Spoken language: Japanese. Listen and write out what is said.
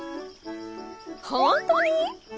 ほんとに？